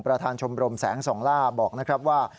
ชมรมแสงส่องล่าบอกนะครับว่า